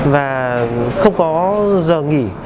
và không có giờ nghỉ